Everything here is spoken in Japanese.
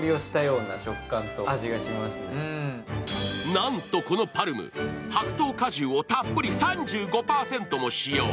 なんとこのＰＡＲＭ、白桃果汁をたっぷり３５％も使用。